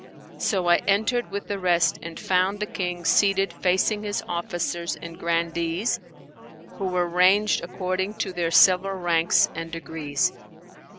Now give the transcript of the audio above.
So I entered with the rest and found the King seated facing his officers and grandees who were ranged according to their several ranks and degrees.